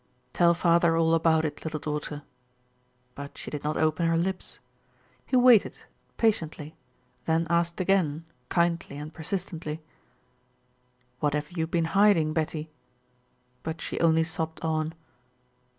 "Tell father all about it, little daughter." But she did not open her lips. He waited patiently, then asked again, kindly and persistently, "What have you been hiding, Betty?" but she only sobbed on.